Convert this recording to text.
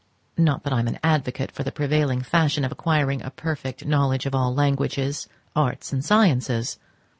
Not that I am an advocate for the prevailing fashion of acquiring a perfect knowledge of all languages, arts, and sciences.